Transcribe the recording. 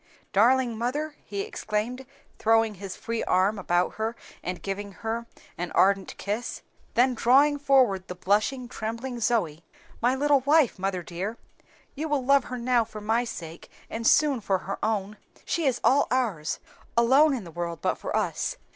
"Darling mother!" he exclaimed, throwing his free arm about her and giving her an ardent kiss. Then drawing forward the blushing, trembling Zoe. "My little wife, mother dear you will love her now for my sake, and soon for her own. She is all ours alone in the world but for us."